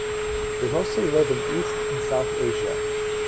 They mostly live in East and South Asia.